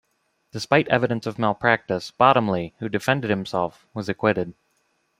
Despite evidence of malpractice, Bottomley, who defended himself, was acquitted.